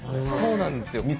そうなんですよ。